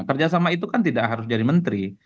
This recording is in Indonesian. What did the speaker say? kerjasama itu kan tidak harus jadi menteri